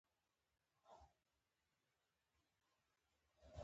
پیاز د کچالو سره ښه خوري